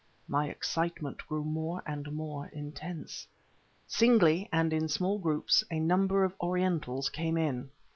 My excitement grew more and more intense. Singly, and in small groups, a number of Orientals came in.